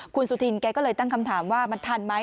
คุณสุธินแกก็เลยตั้งคำถามว่ามันทันไหม